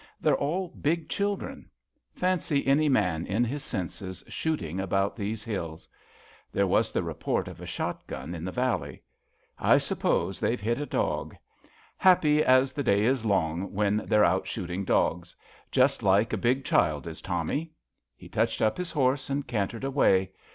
They're all big children. Fancy any man in his senses shooting about these hills." There was the report of a shot gun in the valley. I sup pose they've hit a dog. Happy as the day is long when they're out shooting dogs. Just like a big child is Tommy." He touched up his horse and cantered away.